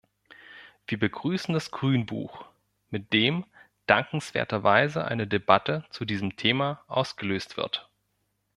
Wir begrüßen das Grünbuch, mit dem dankenswerterweise eine Debatte zu diesem Thema ausgelöst wird.